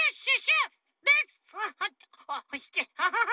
ハハハ！